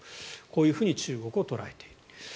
こういうふうに中国を捉えていると。